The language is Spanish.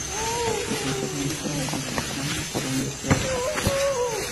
Licenciado en Historia Contemporánea por la Universidad de Barcelona.